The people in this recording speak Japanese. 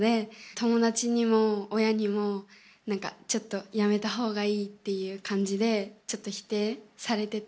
友達にも親にも、ちょっとやめたほうがいいっていう感じでちょっと否定されてて。